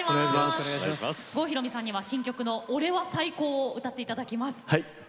郷ひろみさんには新曲の「俺は最高！！！」を歌っていただきます。